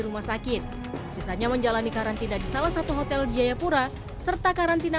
rumah sakit sisanya menjalani karantina di salah satu hotel di jayapura serta karantina